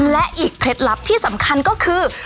และอีกเคล็ดลับที่สำคัญก็คือ